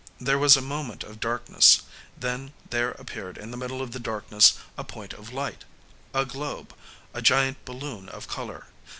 There was a moment of darkness; then there appeared in the middle of the darkness a point of light, a globe, a giant balloon of color.